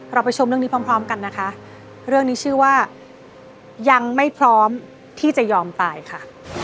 ไปชมเรื่องนี้พร้อมพร้อมกันนะคะเรื่องนี้ชื่อว่ายังไม่พร้อมที่จะยอมตายค่ะ